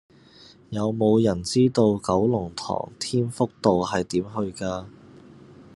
有無人知道九龍塘添福道係點去㗎